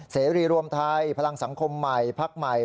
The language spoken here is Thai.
เสรีรวมไทยพลังสังคมใหม่พักใหม่